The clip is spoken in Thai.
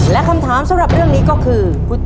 และคำถามสำหรับเรื่องนี้ก็คือ